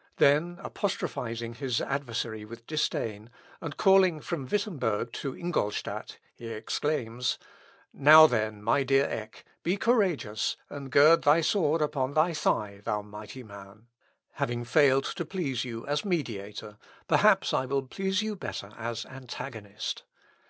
" Then apostrophising his adversary with disdain, and calling from Wittemberg to Ingolstadt, he exclaims "Now, then, my dear Eck, be courageous, and gird thy sword upon thy thigh, thou mighty man. Having failed to please you as mediator, perhaps I will please you better as antagonist.